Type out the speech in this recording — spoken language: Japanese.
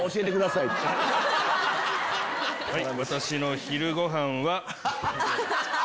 私の昼ごはんは。